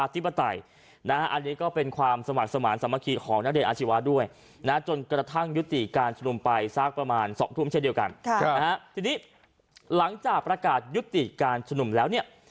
ทีนี้หลังจากประกาศยุติการชุมนุมแล้วเนี่ย